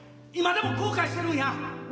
今でも後悔してるんや。